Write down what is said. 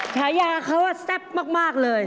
แถวนี้เขาว่าแซ่บมากเลย